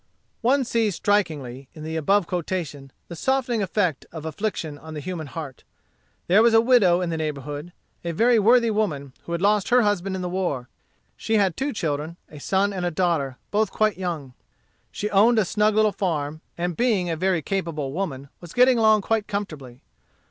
One sees strikingly, in the above quotation, the softening effect of affliction on the human heart There was a widow in the neighborhood, a very worthy woman, who had lost her husband in the war. She had two children, a son and a daughter, both quite young. She owned a snug little farm, and being a very capable woman, was getting along quite comfortably.